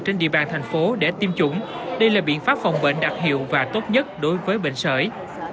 trên địa bàn thành phố để tiêm chủng đây là biện pháp phòng bệnh đặc hiệu và tốt nhất đối với bệnh sởi